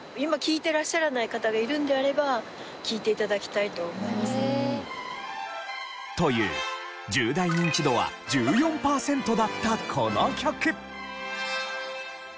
続いては。と思いますね。という１０代ニンチドは１４パーセントだったこの曲。